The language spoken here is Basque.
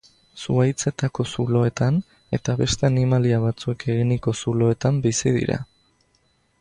Zuhaitzetako zuloetan eta beste animalia batzuek eginiko zuloetan bizi dira.